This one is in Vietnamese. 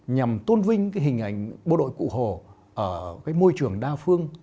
nhằm tôn vinh cái hình ảnh bộ đội cụ hồ ở cái môi trường đa phương